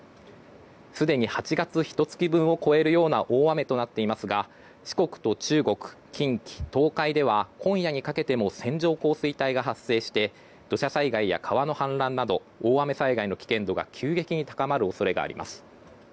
すでに８月ひと月分を超えるような大雨となっていますが四国と中国、近畿、東海では今夜にかけても線状降水帯が発生して土砂災害や川の氾濫など大雨災害の危険度が急激に高まる恐れがあります。